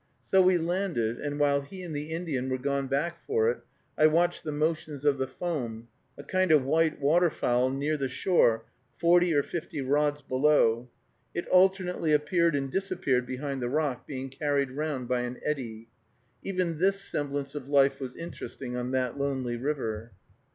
So we landed, and while he and the Indian were gone back for it, I watched the motions of the foam, a kind of white water fowl near the shore, forty or fifty rods below. It alternately appeared and disappeared behind the rock, being carried round by an eddy. Even this semblance of life was interesting on that lonely river.